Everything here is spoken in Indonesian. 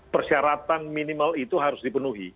persyaratan minimal itu harus dipenuhi